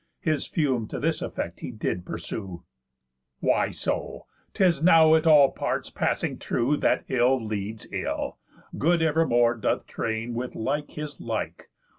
His fume to this effect he did pursue: "Why so,'tis now at all parts passing true, That ill leads ill, good evermore doth train With like his like.